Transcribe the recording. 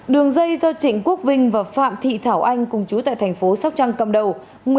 đường dây do trịnh quốc vinh và phạm thị thảo anh cùng chú tại thành phố sóc trăng cầm đầu